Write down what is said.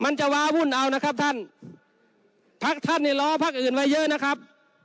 มันจะว้าวุ่นเอานะครับท่านพักท่านเนี่ยล้อพักอื่นไว้เยอะนะครับ